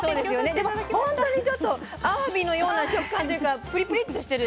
でも本当にちょっとあわびのような食感というかプリプリッとしてる。